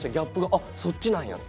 あそっちなんやって。